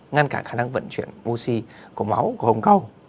ngăn cản khả năng vận chuyển oxy của máu của hồng cao